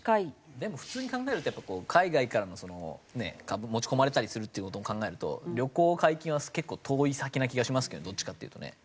でも普通に考えるとやっぱり海外からの株持ち込まれたりするっていう事も考えると旅行解禁は結構遠い先な気がしますけどねどっちかっていうとね。